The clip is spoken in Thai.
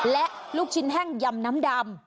และลูกชิ้นแห้งยำน้ำดำ